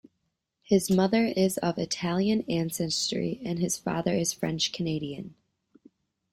His mother is of Italian ancestry and his father is French-Canadian.